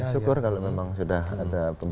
ya syukur kalau memang sudah ada pemberitahuan